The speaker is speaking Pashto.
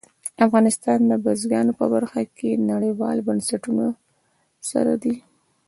افغانستان د بزګانو په برخه کې نړیوالو بنسټونو سره دی.